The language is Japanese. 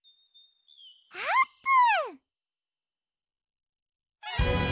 あーぷん！